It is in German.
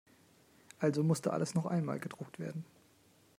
Also musste alles noch einmal gedruckt werden.